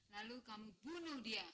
lalu kamu bunuh dia